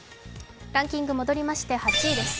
ランキングに戻りまして８位です。